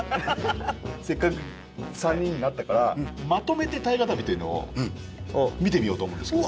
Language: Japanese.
せっかく３人になったからまとめて「大河たび」というのを見てみようと思うんですけど。